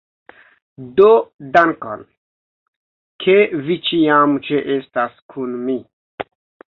Do dankon! Ke vi ĉiam ĉeestas kun mi!